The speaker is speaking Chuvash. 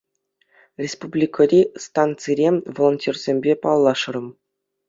Республикӑри станцире волонтерсемпе паллашрӑм.